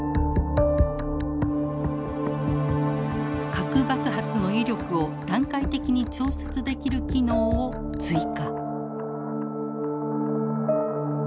核爆発の威力を段階的に調節できる機能を追加。